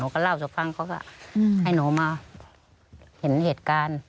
ก็เล่าสู่ฟังเขาก็ให้หนูมาเห็นเหตุการณ์